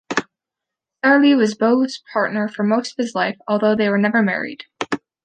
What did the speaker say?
Sarli was Bo's partner for most of his life, although they were never married.